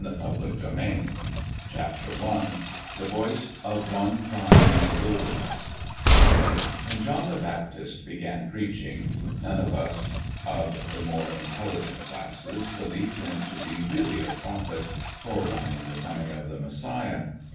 REJECTED OF MEN REJECTED OF MEN I THE VOICE OF ONE CRYING IN THE WILDERNESS WHEN John the Baptist began preaching none of us of the more intelligent classes believed him to be really a prophet forerunning the coming of the Messiah.